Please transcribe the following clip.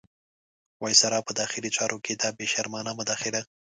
وایسرا په داخلي چارو کې دا بې شرمانه مداخله.